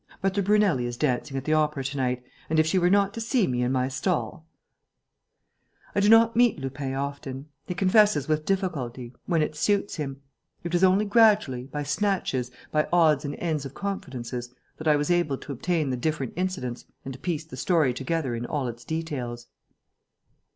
But the Brunelli is dancing at the Opera to night; and, if she were not to see me in my stall ...!" I do not meet Lupin often. He confesses with difficulty, when it suits him. It was only gradually, by snatches, by odds and ends of confidences, that I was able to obtain the different incidents and to piece the story together in all its details.